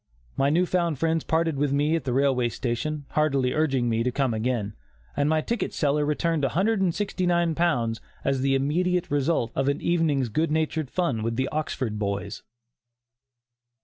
My new found friends parted with me at the railway station, heartily urging me to come again, and my ticket seller returned £169 as the immediate result of an evening's good natured fun with the Oxford boys.